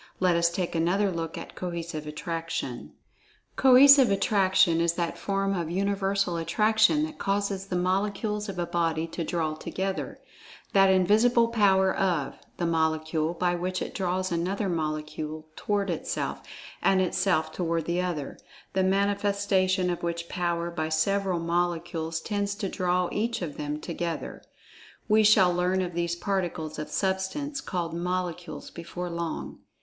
Let us take another look at Cohesive Attraction.[Pg 55] Cohesive Attraction is that form of Universal Attraction that causes the Molecules of a body to draw together—that "invisible power of" the Molecule, by which it draws another Molecule toward itself, and itself toward the other, the manifestation of which power by several Molecules tends to draw each of them together. (We shall learn of these particles of Substance called Molecules before long.)